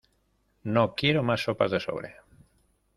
No quiero más sopas de sobre.